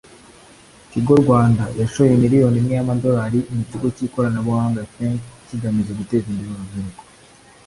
Tigo Rwanda yashoye miliyoni imwe y’amadolari mu kigo cy’ikoranabuganga ‘Think’ kigamije guteza imbere urubyiruko